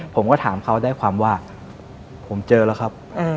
ผมก็ถามเขาได้ความว่าผมเจอแล้วครับ